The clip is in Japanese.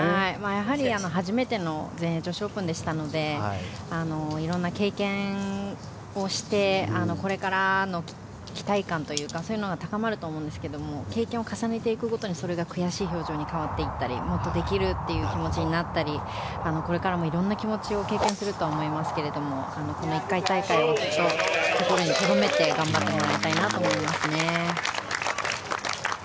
やはり初めての全英女子オープンでしたので色んな経験をしてこれからの期待感というかそういうのが高まると思うんですけど経験を重ねていくごとにそれが悔しい表情に変わっていったりもっとできるという気持ちになったりこれからも色んな気持ちを経験すると思いますけれどこの大会を心にとどめて頑張ってもらいたいなと思いますね。